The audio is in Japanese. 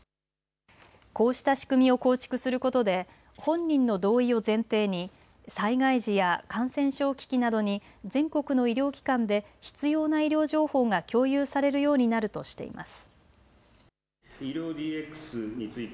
こうした仕組みを構築することで本人の同意を前提に災害時や感染症危機などに全国の医療機関で必要な医療情報が共有されるようになるとしています。